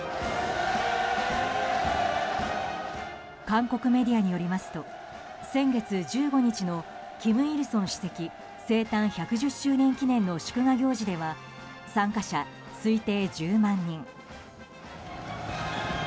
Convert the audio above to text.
韓国メディアによりますと先月１５日の金日成主席生誕１１０周年記念の祝賀行事では参加者推定１０万人。